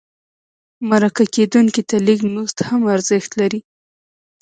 مرکه کېدونکي ته لږ مزد هم ارزښت لري.